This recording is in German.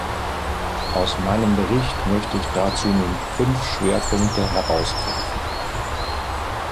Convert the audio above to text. Aus meinem Bericht möchte ich dazu nun fünf Schwerpunkte herausgreifen.